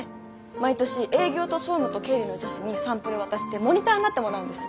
毎年営業と総務と経理の女子にサンプル渡してモニターになってもらうんです。